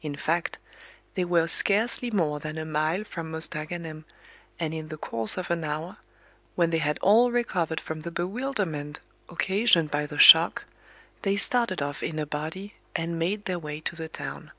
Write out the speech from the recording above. In fact, they were scarcely more than a mile from Mostaganem, and in the course of an hour, when they had all recovered from the bewilderment occasioned by the shock, they started off in a body and made their way to the town.